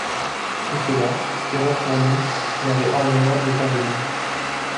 Tout cela, terreur pour nous, leur est ornement et parure.